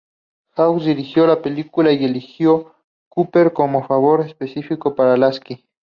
Hawks dirigió la película y eligió a Cooper como favor específico para Lasky.